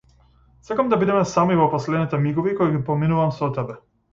Сакам да бидеме сами во последните мигови кои ги поминувам со тебе.